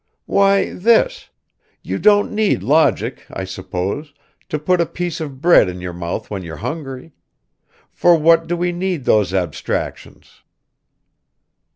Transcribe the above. "Why, this. You don't need logic, I suppose, to put a piece of bread in your mouth when you're hungry. For what do we need those abstractions?"